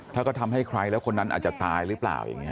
ถ้าก็ทำให้ใครแล้วคนนั้นอาจจะตายหรือเปล่าอย่างนี้